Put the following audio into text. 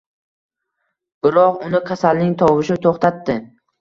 Biroq uni kasalning tovushi toʻxtatdi